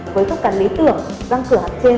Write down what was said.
với khớp cắn lý tưởng răng cửa hàm trên